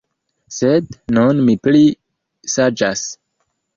Sed nun mi pli saĝas.